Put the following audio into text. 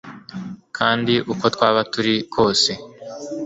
kandi uko twaba turi kose